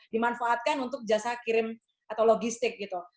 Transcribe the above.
dimanfaatkan untuk jasa kirim atau logistik gitu